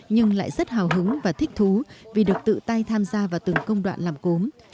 nhưng lại rất hào hứng và thích thú vì được tự tay tham gia vào từng công đoạn làm cốm